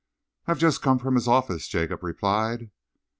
"I've just come from his office," Jacob replied.